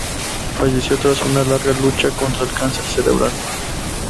Falleció tras una larga lucha contra el cáncer cerebral.